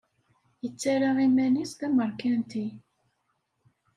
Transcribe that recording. Yettarra iman-is d ameṛkanti.